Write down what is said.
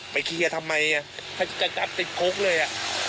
เคลียร์ทำไมถ้าจะจับติดคุกเลย